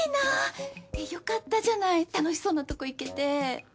えっよかったじゃない楽しそうなとこ行けて。